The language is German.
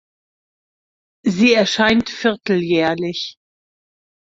Sie erscheint vierteljährlich.